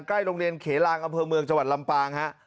ใกล้โรงเรียนเขลางอำเภอเมืองจลำปาง